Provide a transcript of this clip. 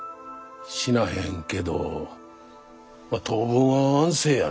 死なへんけど当分は安静やな。